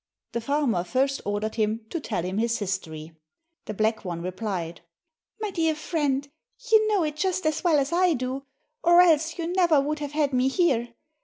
The farmer first ordered him to tell him his history. The black one replied "My dear friend, you know it just as well as I do, or else you never would have had me here.